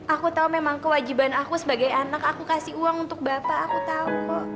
aku tahu memang kewajiban aku sebagai anak aku kasih uang untuk bapak aku tahu kok